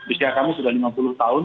usia kami sudah lima puluh tahun